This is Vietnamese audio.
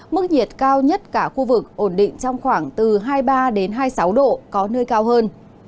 mức nhiệt cao nhất cả khu vực ổn định trong khoảng từ hai mươi ba hai mươi sáu độ có nơi cao hơn